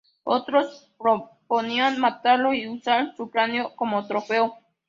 Otros proponían matarlo y usar su cráneo como trofeo.